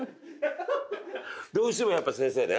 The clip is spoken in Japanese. どうしてもやっぱ先生ね